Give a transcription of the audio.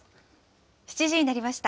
７時になりました。